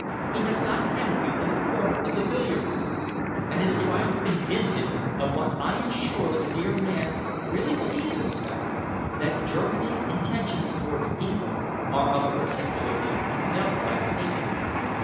He has got Henry in a corner of the billiard room and is trying to convince him of what I am sure the dear man really believes himself that Germany's intentions towards England are of a particularly dove like nature.